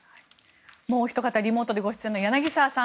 もうおひと方リモートでご出演の柳澤さん